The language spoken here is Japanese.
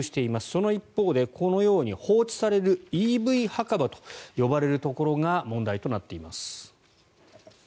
その一方でこのように放置されるＥＶ墓場と呼ばれるところが問題となっています。